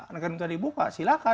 negara minta dibuka silakan